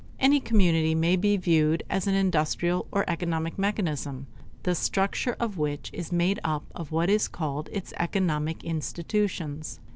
Any community may be viewed as an industrial or economic mechanism, the structure of which is made up of what is called its economic institutions.